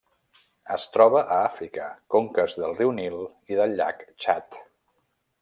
Es troba a Àfrica: conques del riu Nil i del llac Txad.